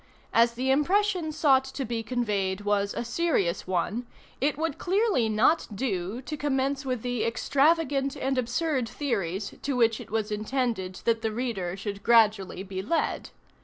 As the impression sought to be conveyed was a serious one, it would clearly not do to commence with the extravagant and absurd theories to which it was intended that the reader should gradually be led.